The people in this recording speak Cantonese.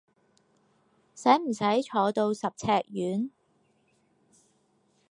使唔使坐到十尺遠？